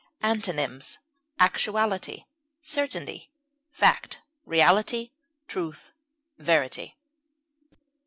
Antonyms: actuality, certainty, fact, reality, truth, verity.